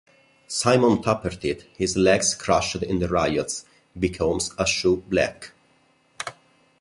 Simon Tappertit, his legs crushed in the riots, becomes a shoe-black.